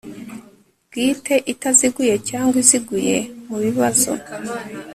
bwite itaziguye cyangwa iziguye mu bibazo